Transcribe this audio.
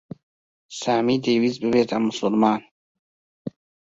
سامی دەیویست ببێتە موسڵمان.